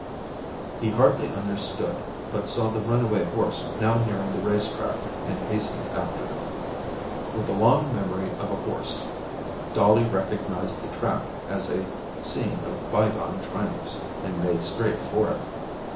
He hardly understood, but saw the runaway horse now nearing the race track and hastened after it. With the long memory of a horse, Dollie recognized the track as a scene of bygone triumphs, and made straight for it.